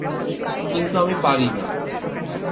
কিন্তু আমি পারি না।